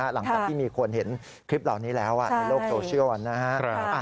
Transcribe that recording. หลังจากที่มีคนเห็นคลิปเหล่านี้แล้วในโลกโซเชียลนะฮะ